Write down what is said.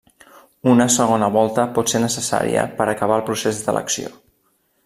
Una segona volta pot ser necessària per acabar el procés d'elecció.